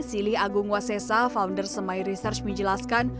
sili agung wasesa founder semai research menjelaskan